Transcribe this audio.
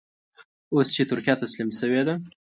اوس چې ترکیه تسليم شوې ده.